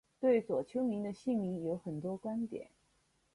对左丘明的姓名有很多观点。